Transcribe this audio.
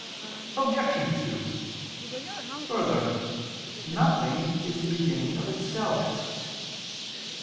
Obj. 2: Further, nothing is the beginning of itself.